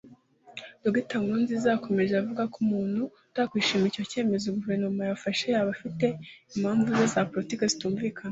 Dr Nkurunziza yakomeje avuga ko umuntu utakwishimira icyo cyemezo Guverinoma yafashe yaba afite impamvu ze za politiki zitumvikana